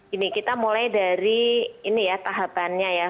ini kita mulai dari tahapannya ya